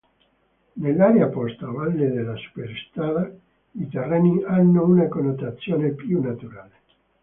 Nell'area posta a valle della superstrada i terreni hanno una connotazione più naturale.